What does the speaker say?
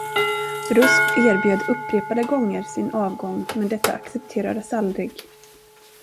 Rusk erbjöd upprepade gånger sin avgång, men detta accepterades aldrig.